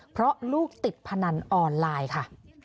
เพราะลูกติดพนันออนไลน์ค่ะ